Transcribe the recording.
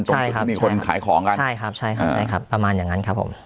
ตรงจุดที่มีคนขายของกันใช่ครับใช่ครับใช่ครับประมาณอย่างนั้นครับผม